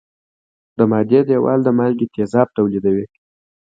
د معدې دېوال د مالګي تیزاب تولیدوي.